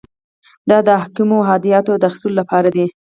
دا د احکامو او هدایت د اخیستلو لپاره دی.